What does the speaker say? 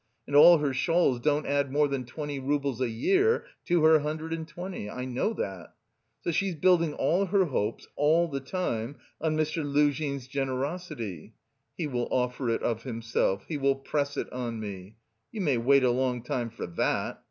And all her shawls don't add more than twenty roubles a year to her hundred and twenty, I know that. So she is building all her hopes all the time on Mr. Luzhin's generosity; 'he will offer it of himself, he will press it on me.' You may wait a long time for that!